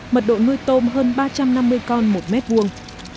mật độ nuôi tôm hơn ba trăm năm mươi con một mét vuông